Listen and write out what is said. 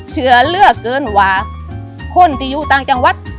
เชื่อเลือกเกินว่าคนที่อยู่ต่างจังหวัด